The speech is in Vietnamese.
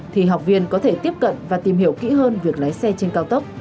thì học viên có thể tiếp cận và tìm hiểu kỹ hơn việc lái xe trên cao tốc